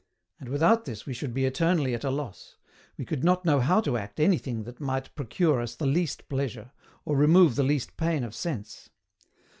And without this we should be eternally at a loss; we could not know how to act anything that might procure us the least pleasure, or remove the least pain of sense.